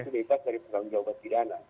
itu bebas dari pertanggung jawaban pidana